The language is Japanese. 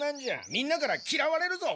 みんなからきらわれるぞ。